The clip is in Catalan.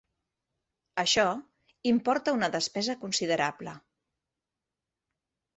Això importa una despesa considerable.